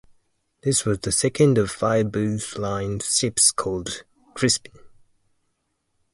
This was the second of five Booth Line ships called "Crispin".